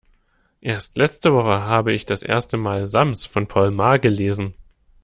Erst letzte Woche habe ich das erste mal Sams von Paul Maar gelesen.